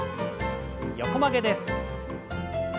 横曲げです。